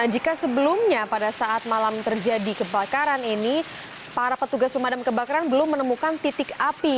jika sebelumnya pada saat malam terjadi kebakaran ini para petugas pemadam kebakaran belum menemukan titik api